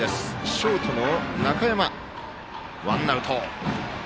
ショートの中山、ワンアウト。